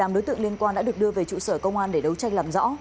tám đối tượng liên quan đã được đưa về trụ sở công an để đấu tranh làm rõ